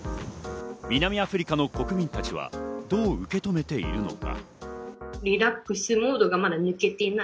南アフリカの国民たちはどう受け止めているのか。